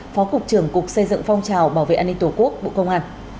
phó cục trưởng cục xây dựng phong trào bảo vệ an ninh tổ quốc bộ công an